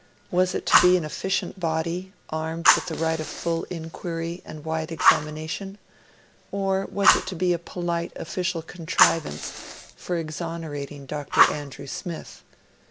Was it to be an efficient body, armed with the right of full inquiry and wide examination, or was it to be a polite official contrivance for exonerating Dr. Andrew Smith?